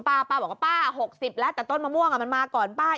ป้าป้าบอกว่าป้า๖๐แล้วแต่ต้นมะม่วงมันมาก่อนป้า